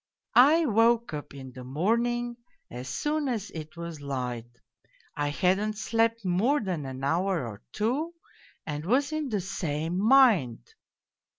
I woke up in the morning as soon as it was light, I hadn't slept more than an hour or two, and was in the same mind.